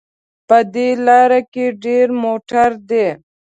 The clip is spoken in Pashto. په دې لاره کې ډېر موټر دي